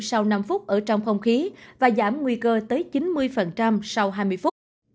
sau năm phút ở trong không khí và giảm nguy cơ tới chín mươi sau hai mươi phút